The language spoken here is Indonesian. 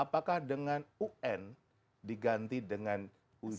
apakah dengan un diganti dengan un